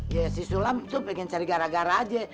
ya si sulam itu pengen cari gara gara aja